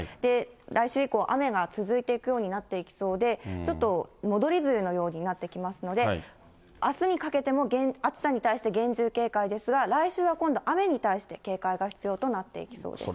来週以降、雨が続いていくようになっていくようで、ちょっと戻り梅雨のようになってきますので、あすにかけても暑さに対して厳重警戒ですが、来週は今度、雨に対して警戒が必要となっていきそうです。